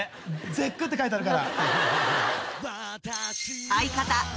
「絶句」って書いてあるから。